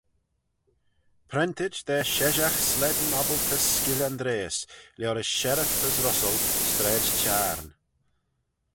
Prentit da Sheshaght Slane-Obbaltys Skyll' Andreays, liorish Sherriff as Russell, Straid Çhiarn.